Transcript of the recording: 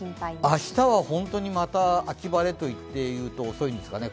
明日は本当にまた秋晴れといっていいんですかね